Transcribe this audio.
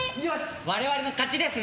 我々の勝ちですね。